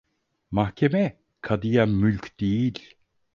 Mahkeme kadıya mülk değil.